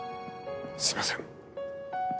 すいません。